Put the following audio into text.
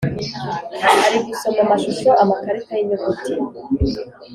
ari gusoma amashusho, amakarita y’inyuguti